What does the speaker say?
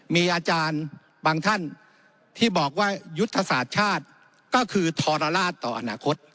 มีอาจารย์บางท่านที่บอกว่ายุทธศาสตร์ชาติก็คือทรลาศต่ออนาคต